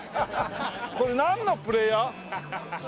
これなんのプレーヤー？